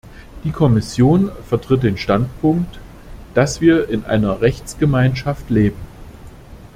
Die Kommission vertritt den Standpunkt, dass wir in einer Rechtsgemeinschaft leben.